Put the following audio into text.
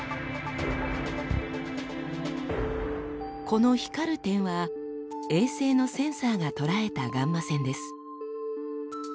この光る点は衛星のセンサーが捉えたガンマ線です。